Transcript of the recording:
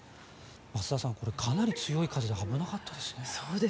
増田さん、かなり強い風で危なかったですね。